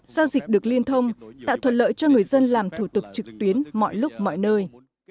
giao dịch được liên thông tạo thuận lợi cho người dân làm thủ tục trực tuyến mọi lúc mọi nơi